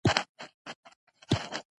له لوشلو مخکې به مې د هغې غولانځه